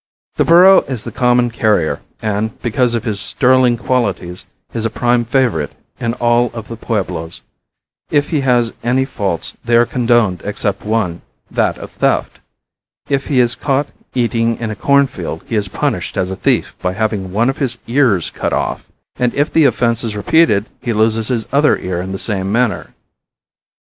The burro is the common carrier and, because of his sterling qualities, is a prime favorite in all of the pueblos. If he has any faults they are all condoned except one, that of theft. If he is caught eating in a corn field he is punished as a thief by having one of his ears cut off; and if the offense is repeated he loses his other ear in the same manner.